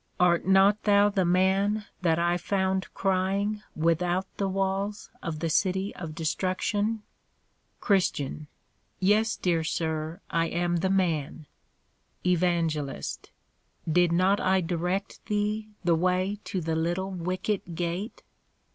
Art not thou the man that I found crying without the walls of the City of Destruction? CHR. Yes, dear Sir, I am the man. EVAN. Did not I direct thee the way to the little Wicket gate?